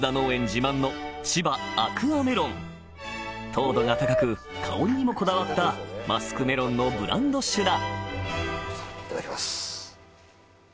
自慢の糖度が高く香りにもこだわったマスクメロンのブランド種だ